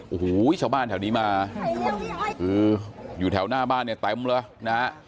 โอ้โหชาวบ้านแถวนี้มาคืออยู่แถวหน้าบ้านเนี่ยเต็มเลยนะฮะ